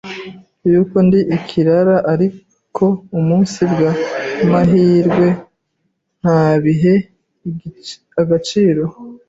yuko ndi ikirara ariko umunsi bw’amahirwe ntabihe agaciro